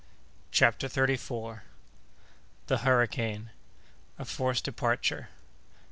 CHAPTER THIRTY FOURTH. The Hurricane.—A Forced Departure.